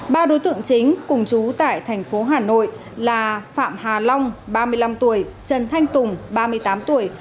ba đối tượng chính cùng chú tại thành phố hà nội là phạm hà long ba mươi năm tuổi trần thanh tùng ba mươi tám tuổi